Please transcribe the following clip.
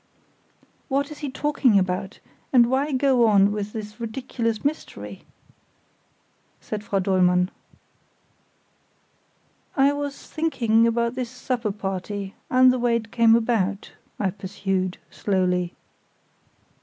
"What is he talking about, and why go on with this ridiculous mystery?" said Frau Dollmann. "I was thinking about this supper party, and the way it came about," I pursued, slowly.